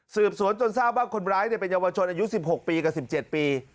สืบสวนจนทราบว่าคนร้ายเป็นเยาวชนอายุ๑๖ปีกับ๑๗ปี